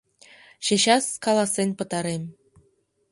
Чечас каласен пытарем...